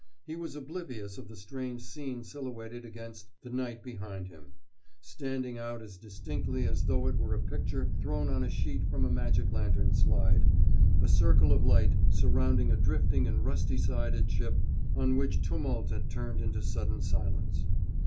He was oblivious of the strange scene silhouetted against the night behind him, standing out as distinctly as though it were a picture thrown on a sheet from a magic lantern slide—a circle of light surrounding a drifting and rusty sided ship on which tumult had turned into sudden silence.